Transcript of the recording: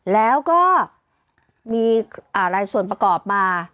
แล้วก็มีรายส่วนประกอบมา